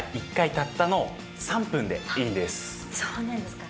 そうなんですか。